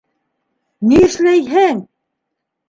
Ни эшләйһең?!